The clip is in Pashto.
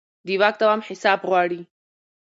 د واک دوام حساب غواړي